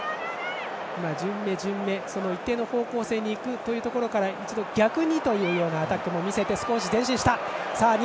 順目順目、一定の方向性に行くというところから一度、逆にというアタックも見せて。